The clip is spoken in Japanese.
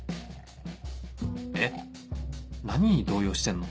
えっ何に動揺してんの？